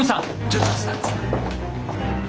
ちょっと。